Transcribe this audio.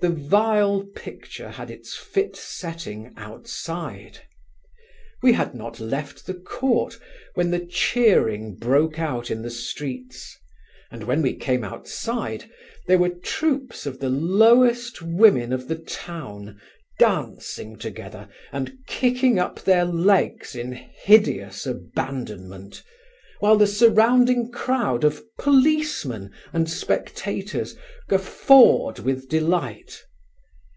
The vile picture had its fit setting outside. We had not left the court when the cheering broke out in the streets, and when we came outside there were troops of the lowest women of the town dancing together and kicking up their legs in hideous abandonment, while the surrounding crowd of policemen and spectators guffawed with delight.